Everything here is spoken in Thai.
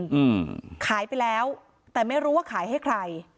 อืมขายไปแล้วแต่ไม่รู้ว่าขายให้ใคร